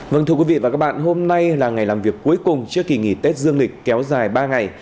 vâng thưa quý vị và các bạn hôm nay là ngày làm việc cuối cùng trước kỳ nghỉ tết dương lịch kéo dài ba ngày